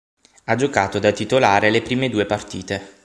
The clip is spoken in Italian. Ha giocato da titolare le prime due partite.